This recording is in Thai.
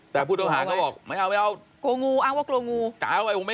แต่ผู้ต้องหาเขาบอกไม่เอา